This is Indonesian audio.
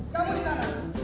kamu di sana